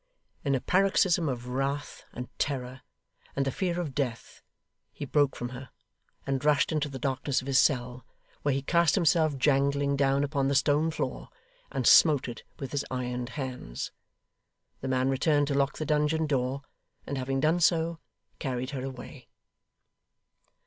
In a paroxysm of wrath, and terror, and the fear of death, he broke from her, and rushed into the darkness of his cell, where he cast himself jangling down upon the stone floor, and smote it with his ironed hands. The man returned to lock the dungeon door, and having done so, carried her away.